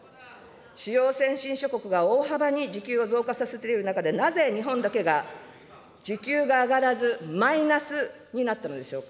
主要先進諸国が大幅に時給を増加させている中で、なぜ日本だけが、時給が上がらず、マイナスになったのでしょうか。